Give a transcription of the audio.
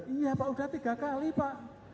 iya pak sudah tiga kali pak